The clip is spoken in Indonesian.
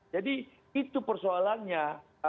jadi itu persoalannya